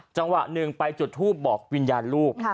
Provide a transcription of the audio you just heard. จังหวะหนึ่งไปจุดทูปบอกวิญญาณลูก